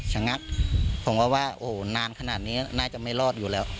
ฉะนั้นผมก็ว่านานขนาดนี้น่าจะไม่รอดอยู่แล้ว